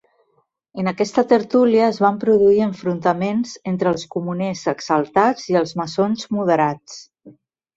En aquesta tertúlia es van produir enfrontaments entre els comuners exaltats i els maçons moderats.